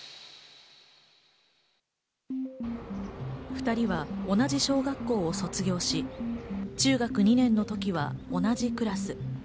２人は同じ小学校を卒業し、中学２年の時は同じクラス。